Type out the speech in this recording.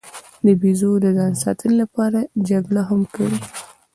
بیزو د ځان ساتنې لپاره جګړه هم کوي.